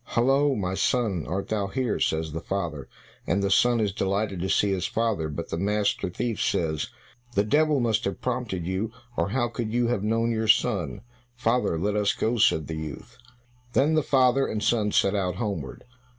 "Hollo, my son, art thou here?" says the father, and the son is delighted to see his father, but the master thief says, "The devil must have prompted you, or how could you have known your son?" "Father, let us go," said the youth. Then the father and son set out homeward.